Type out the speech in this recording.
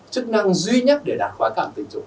chức năng duy nhất để đạt khóa cảng tình dục